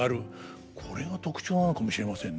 これが特徴なのかもしれませんね。